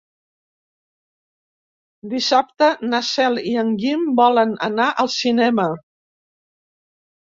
Dissabte na Cel i en Guim volen anar al cinema.